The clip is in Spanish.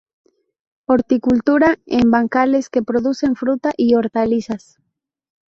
Horticultura en bancales que producen fruta y hortalizas.